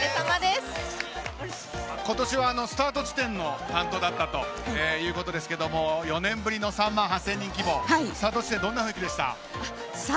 今年はスタート地点の担当だったということですけど４年ぶりの３万８０００人規模スタート地点はどんな雰囲気でしたか。